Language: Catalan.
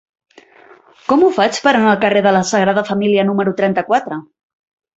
Com ho faig per anar al carrer de la Sagrada Família número trenta-quatre?